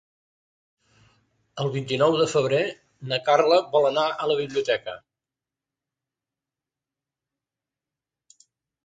El vint-i-nou de febrer na Carla vol anar a la biblioteca.